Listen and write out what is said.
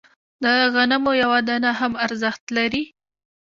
د غنمو یوه دانه هم ارزښت لري.